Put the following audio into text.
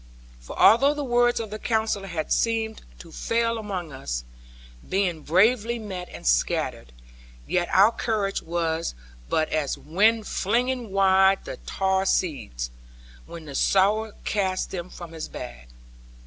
For although the words of the Counsellor had seemed to fail among us, being bravely met and scattered, yet our courage was but as wind flinging wide the tare seeds, when the sower casts them from his bag.